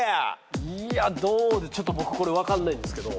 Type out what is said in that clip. いやちょっと僕これ分かんないんですけど。